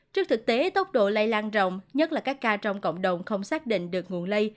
trước thực tế tốc độ lây lan rộng nhất là các ca trong cộng đồng không xác định được nguồn lây